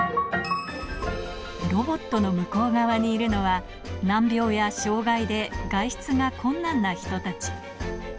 ロボットの向こう側にいるのは、難病や障がいで外出が困難な人たち。